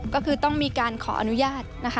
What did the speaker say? ก็คือต้องมีการขออนุญาตนะคะ